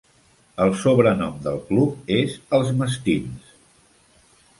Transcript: El sobrenom del club és Els mastins.